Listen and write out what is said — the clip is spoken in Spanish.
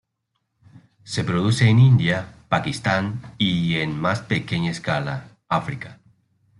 Se produce en India, Pakistán y, en más pequeña escala, África.